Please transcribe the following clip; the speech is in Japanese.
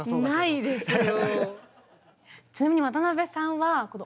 ないですよ。